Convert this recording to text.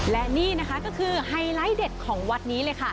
และนี่นะคะก็คือไฮไลท์เด็ดของวัดนี้เลยค่ะ